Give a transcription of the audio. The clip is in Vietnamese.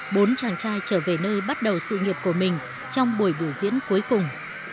bốn chàng trai trở về nơi bắt đầu sự nghiệp của mình trong buổi biểu diễn cuối cùng